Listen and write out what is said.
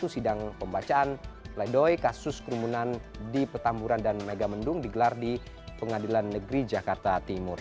sidang pembacaan pledoy kasus kerumunan di petamburan dan megamendung digelar di pengadilan negeri jakarta timur